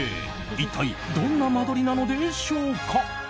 一体どんな間取りなのでしょうか。